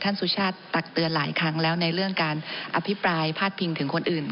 สุชาติตักเตือนหลายครั้งแล้วในเรื่องการอภิปรายพาดพิงถึงคนอื่น